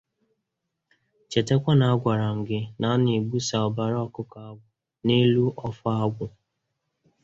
Chetekwa na agwara m gị na a na-egbusa ọbara ọkụkọ agwụ n'elu ọfọ agwụ